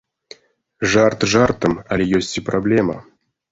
Жарт жартам, але ёсць і праблема.